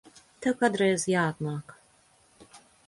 Tev kādreiz jāatnāk.